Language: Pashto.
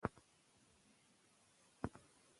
موږ باید د نړۍ له کاروان سره یوځای شو.